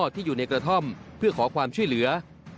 ที่อยู่ในกระท่อมเพื่อขอความช่วยเหลือ